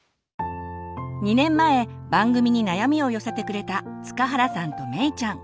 ２年前番組に悩みを寄せてくれた塚原さんとめいちゃん。